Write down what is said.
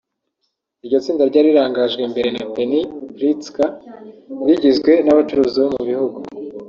Iryo tsinda ryari rirangajwe imbere na Penny Pritzker rigizwe n’abacuruzi bo mu gihugu